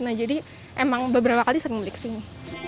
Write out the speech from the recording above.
nah jadi emang beberapa kali sering beli kesini